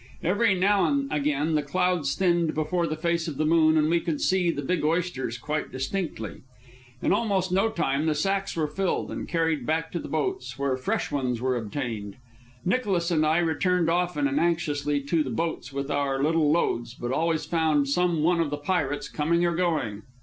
Every now and again the clouds thinned before the face of the moon, and we could see the big oysters quite distinctly. In almost no time sacks were filled and carried back to the boats, where fresh ones were obtained. Nicholas and I returned often and anxiously to the boats with our little loads, but always found some one of the pirates coming or going.